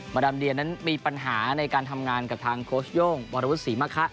มาดามเดียนั้นมีปัญหาในการทำงานกับทางโค้ชโย่งวรวุฒิศรีมะคะ